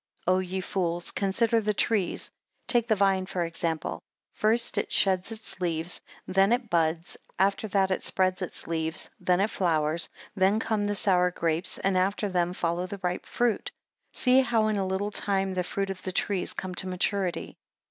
13 O ye fools consider the trees: take the vine for an example. First it sheds its leaves; then it buds; after that it spreads its leaves; then it flowers; then come the sour grapes; and after them follows the ripe fruit. See how in a little time the fruit of the trees comes to maturity.